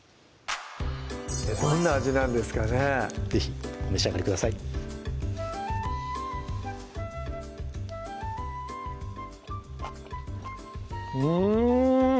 どんな味なんですかね是非お召し上がりくださいうん！